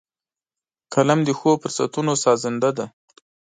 قلم د ښو فرصتونو سازنده دی